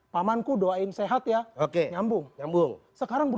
pamanku doain sehat ya